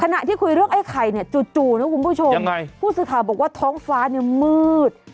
ขณะที่คุยเรื่องไอ้ไข่เนี่ยจู่นะคุณผู้ชมยังไงผู้สื่อข่าวบอกว่าท้องฟ้าเนี่ยมืด